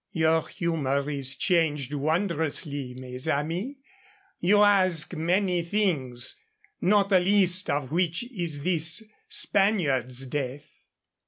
"Your humor is changed wondrously, mes amis. You ask many things, not the least of which is this Spaniard's death.